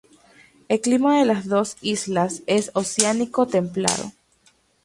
El clima de las dos islas es oceánico templado.